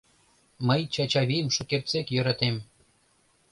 — Мый Чачавийым шукертсек йӧратем.